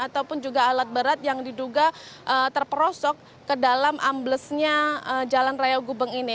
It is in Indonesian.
ataupun juga alat berat yang diduga terperosok ke dalam amblesnya jalan raya gubeng ini